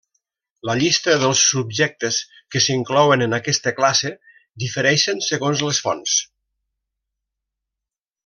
La llista dels subjectes que s'inclouen en aquesta classe difereixen segons les fonts.